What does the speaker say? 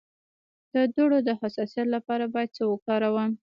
د دوړو د حساسیت لپاره باید څه وکاروم؟